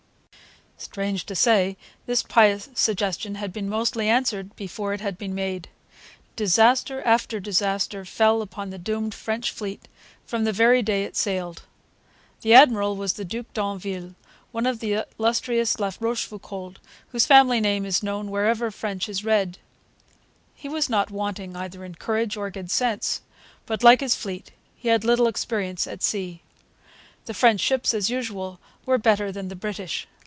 Strange to say, this pious suggestion had been mostly answered before it had been made. Disaster after disaster fell upon the doomed French fleet from the very day it sailed. The admiral was the Duc d'Anville, one of the illustrious La Rochefoucaulds, whose family name is known wherever French is read. He was not wanting either in courage or good sense; but, like his fleet, he had little experience at sea. The French ships, as usual, were better than the British.